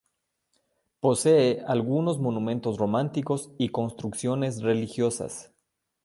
Posee algunos monumentos románicos y construcciones religiosas.